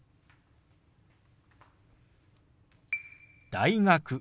「大学」。